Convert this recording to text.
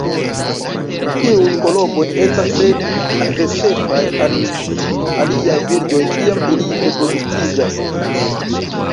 Tiuj kolomboj estas tre agresemaj al aliaj birdoj kiam ili reproduktiĝas.